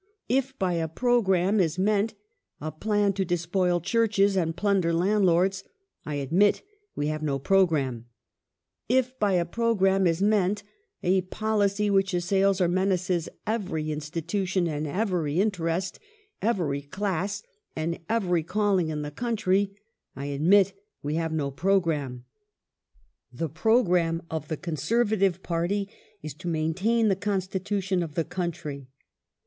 " If by a programme is meant a plan to despoil churches and plunder landlords, I admit we have no pro gi amme. If by a programme is meant a policy which assails or menaces every institution and every interest, eveiy class, and every calling in the country, I admit we have no programme ... the programme of the Conservative party is to maintain the Constitu tion of the country."